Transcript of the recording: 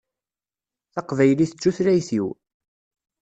Taqbaylit d tutlayt-iw